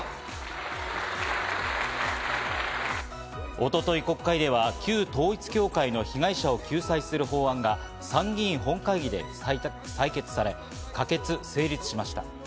一昨日、国会では旧統一教会の被害者を救済する法案が参議院本会議で採決され、可決、成立しました。